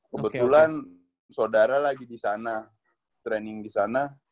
kebetulan sodara lagi disana training disana